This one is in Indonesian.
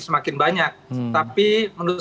semakin banyak tapi menurut